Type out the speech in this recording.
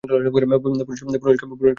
পুরুষোত্তমকে kidnap করবো।